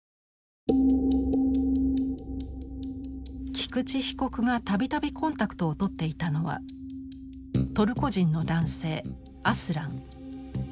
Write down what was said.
菊池被告が度々コンタクトを取っていたのはトルコ人の男性アスラン。